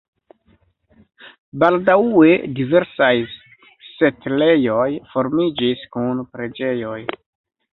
Baldaŭe diversaj setlejoj formiĝis kun preĝejoj.